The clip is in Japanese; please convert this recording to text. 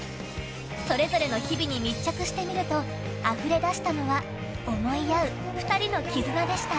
それぞれの日々に密着してみるとあふれ出したのは思い合う、２人の絆でした。